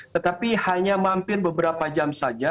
tetapi hanya mampir beberapa jam saja